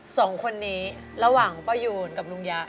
สองคนนี้ระหว่างป้ายูนกับลุงยะ